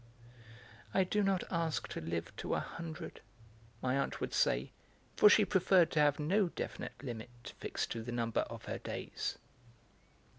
"I do not ask to live to a hundred," my aunt would say, for she preferred to have no definite limit fixed to the number of her days.